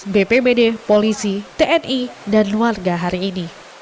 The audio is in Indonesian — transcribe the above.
bpbd polisi tni dan warga hari ini